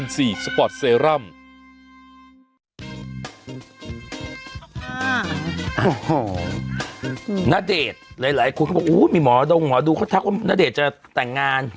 ณเดชน์หลายคุณบอกโอ้โหมีหมอดงหมอดงเขาทักว่าณเดชน์จะแต่งงาน